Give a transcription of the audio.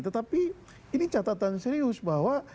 tetapi ini catatan serius bahwa